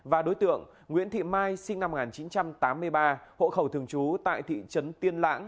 và đối tượng nguyễn thị mai sinh năm một nghìn chín trăm tám mươi ba hộ khẩu thường trú tại thị trấn tiên lãng